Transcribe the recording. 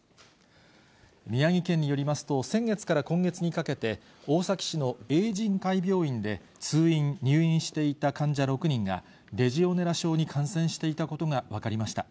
宮城県によりますと、先月から今月にかけて、大崎市の永仁会病院で通院・入院していた患者６人が、レジオネラ症に感染していたことが分かりました。